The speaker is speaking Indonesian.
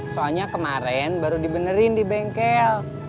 soalnya kemarin baru dibenerin di bengkel